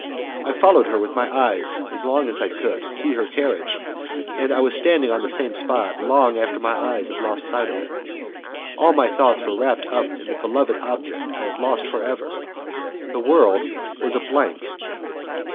I followed her with my eyes as long as I could, see her carriage, and I was still standing on the same spot long after my eyes had lost sight of it. All my thoughts were wrapped up in the beloved object I had lost for ever. The world was a blank!